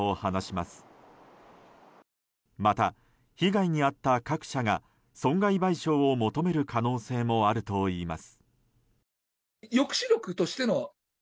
また、被害に遭った各社が損害賠償を求める可能性もあるといいます。